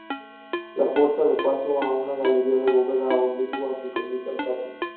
La puerta da paso a una galería de bóveda oblicua, que conduce al patio.